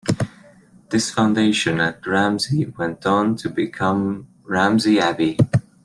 This foundation at Ramsey went on to become Ramsey Abbey.